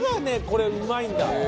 これうまいんだ。